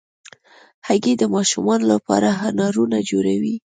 هګۍ د ماشومانو لپاره هنرونه جوړوي.